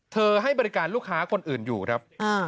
ให้บริการลูกค้าคนอื่นอยู่ครับ